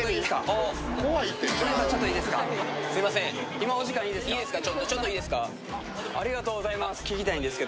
今、お時間いいですか？